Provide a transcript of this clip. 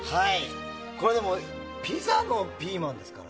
これ、でもピザのピーマンですから。